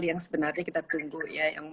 yang sebenarnya kita tunggu ya